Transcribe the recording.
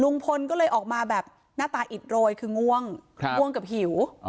ลุงพลก็เลยออกมาแบบหน้าตาอิดโรยคือง่วงครับง่วงกับหิวอ๋อ